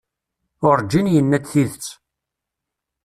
Urǧin yenna-d tidet.